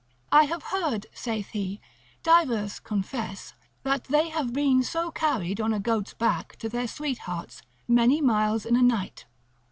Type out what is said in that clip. I have heard (saith he) divers confess, that they have been so carried on a goat's back to their sweethearts, many miles in a night.